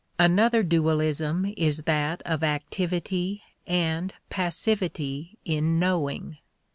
Another dualism is that of activity and passivity in knowing.